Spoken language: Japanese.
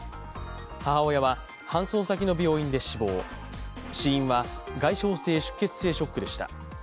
母親は搬送先の病院で死亡死因は外傷性出血性ショックでした。